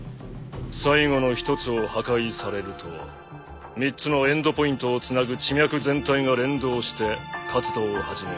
最後の一つを破壊されると３つのエンドポイントをつなぐ地脈全体が連動して活動を始め。